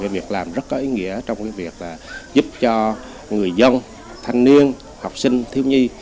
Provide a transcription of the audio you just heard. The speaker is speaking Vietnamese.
việc làm rất có ý nghĩa trong việc giúp cho người dân thanh niên học sinh thiếu nhi